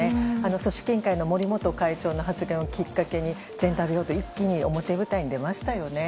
組織委員会の森元会長の発言をきっかけにジェンダー平等が一気に表舞台に出ましたよね。